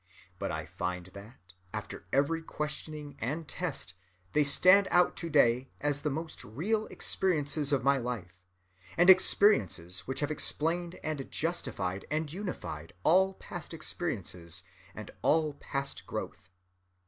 But I find that, after every questioning and test, they stand out to‐day as the most real experiences of my life, and experiences which have explained and justified and unified all past experiences and all past growth.